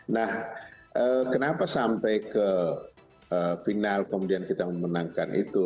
nah kenapa sampai ke final kemudian kita memenangkan itu